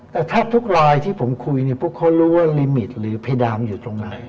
แต่แทบทุกลายที่ผมคุยเนี่ยพวกเขารู้ว่าลิมิตหรือเพดานอยู่ตรงไหน